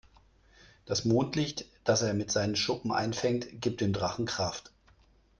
Das Mondlicht, das er mit seinen Schuppen einfängt, gibt dem Drachen Kraft.